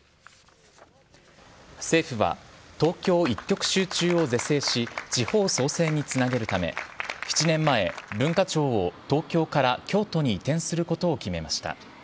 政府は、東京一極集中を是正し、地方創生につなげるため、７年前、文化庁を東京から京都に移転することを決めました。